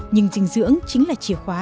nhưng dinh dưỡng chính là chìa khóa